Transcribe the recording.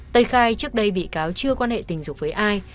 tây khai trước đây bị cáo chưa quan hệ tình dục với ai